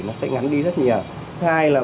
nó sẽ ngắn đi rất nhiều hai là